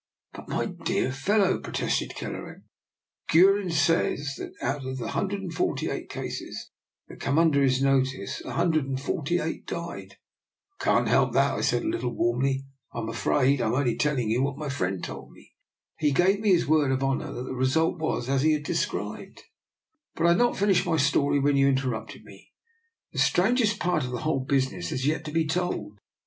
" But, my dear fellow," protested Kel leran, " Guerin says that out of the 148 cases that came under his notice 148 died." " I can't help that," I said, a little warmly I am afraid. " I am only telling you what my friend told me. He gave me his word of honour that the result was as he described. But I had not finished my story when you interrupted me. The strangest part of the whole business has yet to be told.